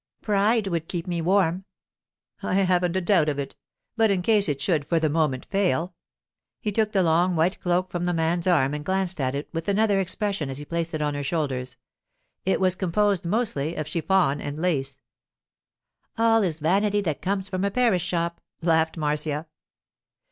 'Pride would keep me warm.' 'I haven't a doubt of it; but in case it should for the moment fail——' He took the long white cloak from the man's arm and glanced at it with another expression as he placed it on her shoulders. It was composed mostly of chiffon and lace. 'All is vanity that comes from a Paris shop!' laughed Marcia.